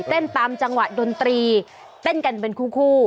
ตามจังหวะดนตรีเต้นกันเป็นคู่